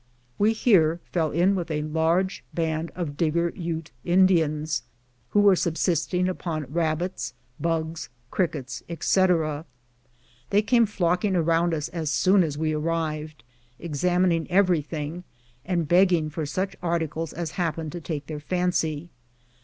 We here fell in with a large band of Digger Ute Indians, who were subsisting upon rab bits, bugs, crickets, etc. They came flocking around us as soon as we arrived, examining every thing, and begging for such articles as happened to take their fancy.